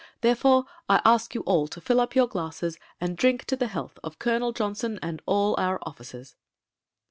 Therefore I ask you all to fill up your glasses and drink to the health of Colonel Johnson and all our officers."